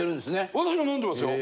私も飲んでますよ。